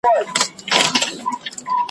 ما یې هم پخوا لیدلي دي خوبونه ,